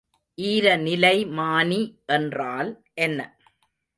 ஈரநிலைமானி என்றால் என்ன?